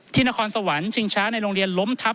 นครสวรรค์ชิงช้าในโรงเรียนล้มทับ